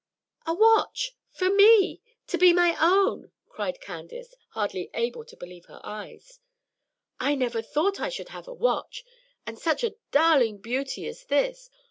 "A watch! for me! to be my own!" cried Candace, hardly able to believe her eyes. "I never thought I should have a watch, and such a darling beauty as this.